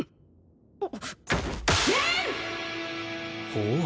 ほう。